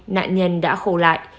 nạn nhân đã khổ lại